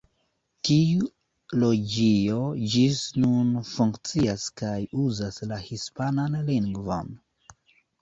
Tiu loĝio ĝis nun funkcias kaj uzas la hispanan lingvon.